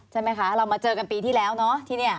ใช่ไหมคะเรามาเจอกันปีที่แล้วเนาะที่นี่